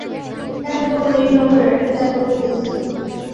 但是各部的运动会仍是在各部进行。